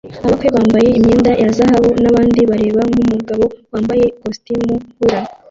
Abakwe bambaye imyenda ya zahabu nabandi bareba nkumugabo wambaye ikositimu hula